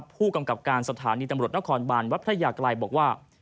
ผู้กำกับการสถานีตำรวจนครบานวัดพระยากรัยบอกว่า